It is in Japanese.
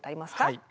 はい。